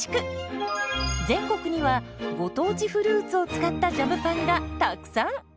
全国にはご当地フルーツを使ったジャムパンがたくさん！